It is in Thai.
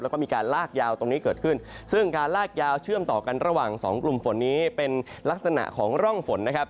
แล้วก็มีการลากยาวตรงนี้เกิดขึ้นซึ่งการลากยาวเชื่อมต่อกันระหว่างสองกลุ่มฝนนี้เป็นลักษณะของร่องฝนนะครับ